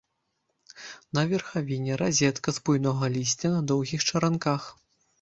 На верхавіне разетка з буйнога лісця на доўгіх чаранках.